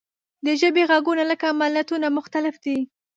د ژبې غږونه لکه ملتونه مختلف دي.